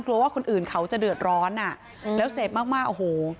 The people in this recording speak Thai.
กลัวว่าคนอื่นเขาจะเดือดร้อนแล้วเสพมากโอ้โฮ